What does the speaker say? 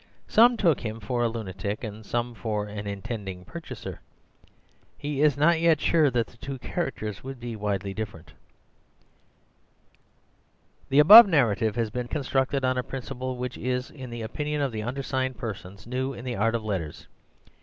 Some took him for a lunatic and some for an intending purchaser. He is not yet sure that the two characters would be widely different. "The above narrative has been constructed on a principle which is, in the opinion of the undersigned persons, new in the art of letters.